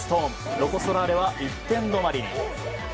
ロコ・ソラーレは１点止まりに。